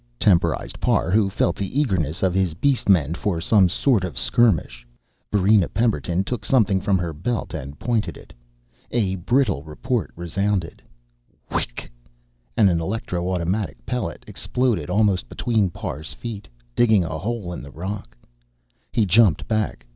temporized Parr, who felt the eagerness of his beast men for some sort of a skirmish. Varina Pemberton took something from her belt and pointed it. A brittle report resounded whick! And an electro automatic pellet exploded almost between Parr's feet, digging a hole in the rock. He jumped back.